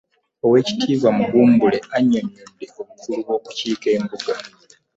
Oweekitiibwa Mugumbule annyonnyodde obukulu bw'okukiika embuga.